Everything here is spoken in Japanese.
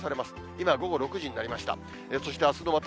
今、午後６時になりました。